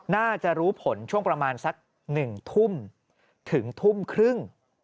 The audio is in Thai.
น่าจะรู้ผลช่วงประมาณสัก๑ทุ่มถึงทุ่มครึ่ง